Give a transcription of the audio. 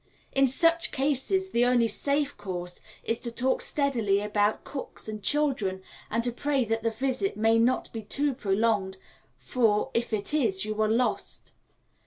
In such cases the only safe course is to talk steadily about cooks and children, and to pray that the visit may not be too prolonged, for if it is you are lost.